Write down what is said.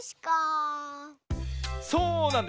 そうなんです！